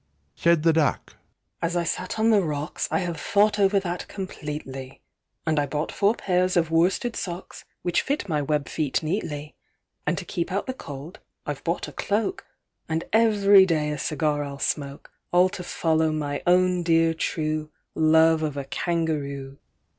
IV. Said the Duck, "As I sat on the rocks, I have thought over that completely, And I bought four pairs of worsted socks Which fit my web feet neatly. And to keep out the cold I've bought a cloak, And every day a cigar I'll smoke, All to follow my own dear true Love of a Kangaroo!"